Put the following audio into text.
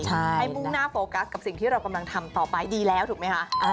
ให้มุ่งหน้าโฟกัสกับสิ่งที่เรากำลังทำต่อไปดีแล้วถูกไหมคะ